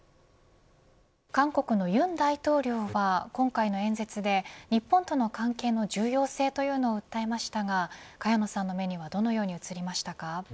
韓国の尹大統領は、今回の演説で日本との関係の重要性というのを訴えましたが萱野さんの目にはどのように映りましたか。